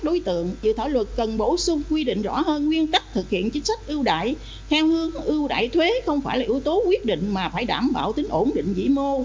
do đó luật cần quy định rõ các nguyên tắc thực hiện chính sách ưu đãi theo hương ưu đãi thuế không phải là ưu tố quyết định mà phải đảm bảo tính ổn định dĩ mô